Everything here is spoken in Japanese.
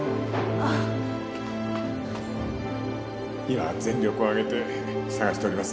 あ今全力を挙げて捜しております